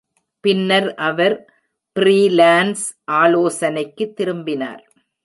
பின்னர் அவர் ஃப்ரீலான்ஸ் ஆலோசனைக்கு திரும்பினார்.